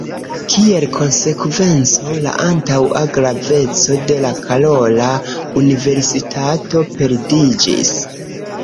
Kiel konsekvenco la antaŭa graveco de la Karola universitato perdiĝis.